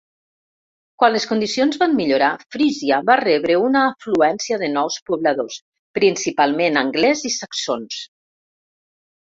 Quan les condicions van millorar, Frisia va rebre una afluència de nous pobladors, principalment angles i saxons.